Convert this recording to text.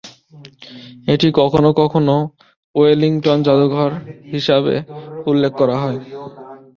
এটি কখনও কখনও ওয়েলিংটন জাদুঘর হিসাবে উল্লেখ করা হয়।